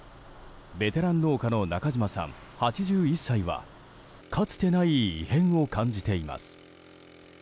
ベテラン農家の中島さん、８１歳はかつてない異変を感じています。